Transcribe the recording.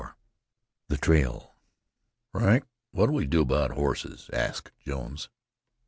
THE TRAIL "Frank, what'll we do about horses?" asked Jones.